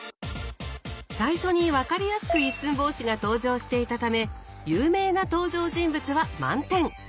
最初に分かりやすく一寸法師が登場していたため「有名な登場人物」は満点。